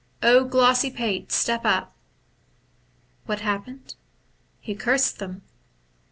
glossy pate, step up !' "VMiat happened ? He cursed them.